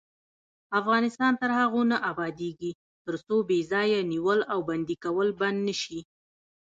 افغانستان تر هغو نه ابادیږي، ترڅو بې ځایه نیول او بندي کول بند نشي.